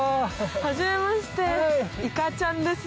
はじめましていかちゃんです。